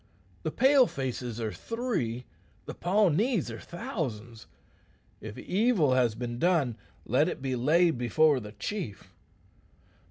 The Pale faces are three; the Pawnees are thousands. If evil has been done, let it be laid before the chief.